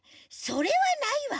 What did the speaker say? それはないわ。